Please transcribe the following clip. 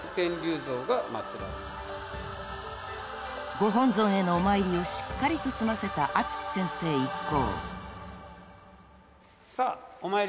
［ご本尊へのお参りをしっかりと済ませた淳先生一行］さあ。